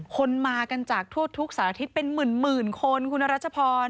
คนมากันจากทั่วทุกสันอาทิตย์เป็นหมื่นหมื่นคนคุณรัชพร